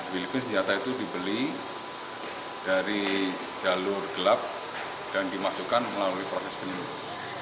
bilkis senjata itu dibeli dari jalur gelap dan dimasukkan melalui proses penyembuhan